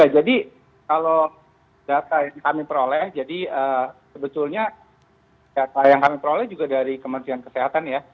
jadi kalau data yang kami peroleh jadi sebetulnya data yang kami peroleh juga dari kementerian kesehatan